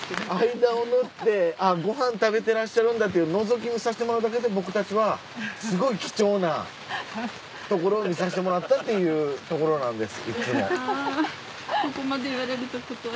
間をぬってご飯食べてらっしゃるんだってのぞき見させてもらうだけで僕たちはすごい貴重なところを見させてもらったっていうところなんですいつも。